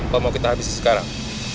apa mau kita habisi sekarang